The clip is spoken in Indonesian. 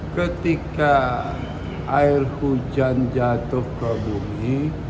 ketika air hujan jatuh ke bumi